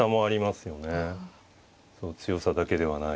そう強さだけではない。